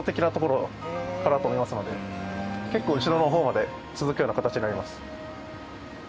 結構後ろの方まで続くような形になります。